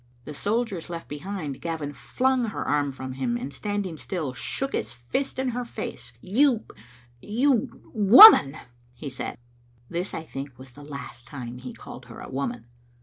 The soldiers left behind, Gavin Hung her arm from him, and, standing still, shook his fist in her face. "You — ^you — woman!" he said. This, I think, was the last time he called her a woman.